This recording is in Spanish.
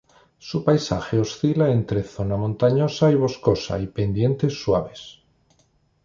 Su paisaje oscila entre zona montañosa y boscosa y pendientes suaves.